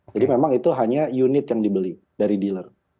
jadi memang itu hanya unit yang dibeli dari dealer